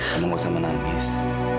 kamu gak usah menangis